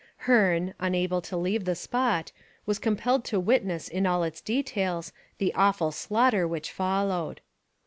Hearne, unable to leave the spot, was compelled to witness in all its details the awful slaughter which followed.